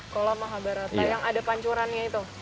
kolam mahabharata yang ada pancurannya itu